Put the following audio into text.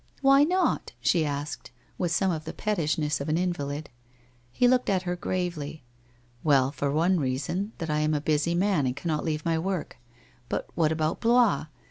' Why not?' she asked, with some of the pettishness of an invalid. He looked at her gravely. ' Weil, for one reason, that I am a busy man and cannot leave my work. But what about Blois?